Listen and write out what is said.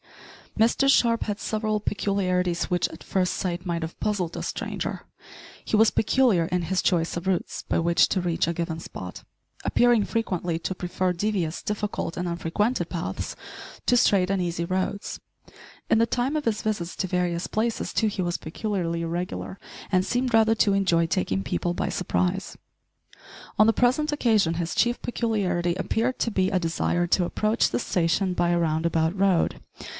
Mr Sharp had several peculiarities, which, at first sight, might have puzzled a stranger. He was peculiar in his choice of routes by which to reach a given spot appearing frequently to prefer devious, difficult, and unfrequented paths to straight and easy roads. In the time of his visits to various places, too, he was peculiarly irregular, and seemed rather to enjoy taking people by surprise. On the present occasion his chief peculiarity appeared to be a desire to approach the station by a round about road.